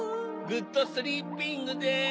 グッドスリーピングです。